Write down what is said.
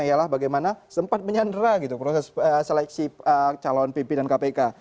ialah bagaimana sempat menyandera gitu proses seleksi calon pimpinan kpk